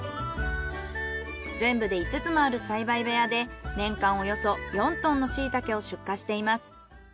全部で５つもある栽培部屋で年間およそ４トンのシイタケを出荷しています。